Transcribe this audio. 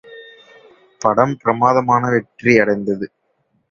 படம் பிரமாதமான வெற்றியடைந்தது.